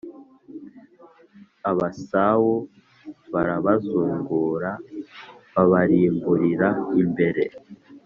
Abesawu barabazungura babarimburira imbere